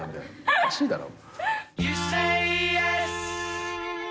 おかしいだろ。